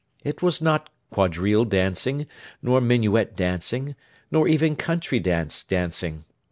It was not quadrille dancing, nor minuet dancing, nor even country dance dancing.